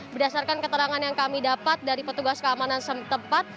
berdasarkan keterangan yang kami dapat dari petugas keamanan setempat